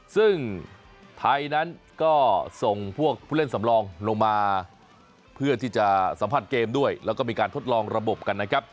ซึ่งไทยนั้นก็ส่งพวกผู้เล่นสำรองลงมาเพื่อที่จะสัมผัสเกมด้วยแล้วก็มีการทดลองระบบกันนะครับ